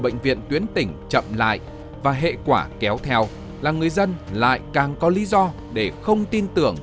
bệnh viện tuyến tỉnh chậm lại và hệ quả kéo theo là người dân lại càng có lý do để không tin tưởng